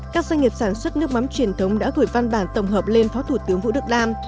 các doanh nghiệp sản xuất nước mắm truyền thống đã gửi văn bản tổng hợp lên phó thủ tướng vũ đức đam